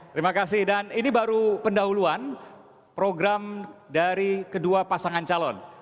terima kasih dan ini baru pendahuluan program dari kedua pasangan calon